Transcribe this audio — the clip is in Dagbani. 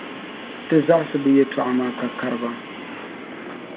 Ti zaɣisi bɛ yɛltɔɣa maa ka kari ba.